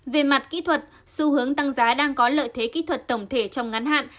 về mặt kỹ thuật xu hướng tăng giá đang có lợi thế kỹ thuật tổng thể trong ngắn hạn